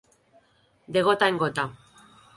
De gota en gota.